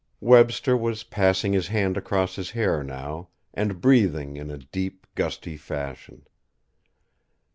Webster was passing his hand across his hair now, and breathing in a deep, gusty fashion.